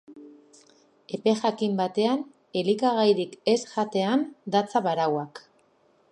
Epe jakin batean, elikagairik ez jatean datza barauak.